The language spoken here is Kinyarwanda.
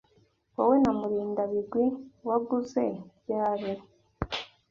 Wowe na Murindabigwi waguze ryari?